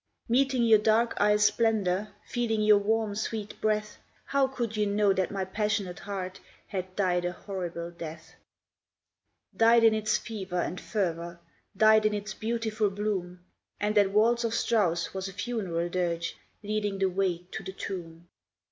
Meeting your dark eyes' splendour, Feeling your warm, sweet breath, How could you know that my passionate heart Had died a horrible death? Died in its fever and fervour, Died in its beautiful bloom; And that waltz of Strauss was a funeral dirge, Leading the way to the tomb.